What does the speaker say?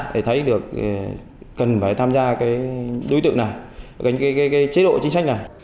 để thấy được cần phải tham gia cái đối tượng này cái chế độ chính sách này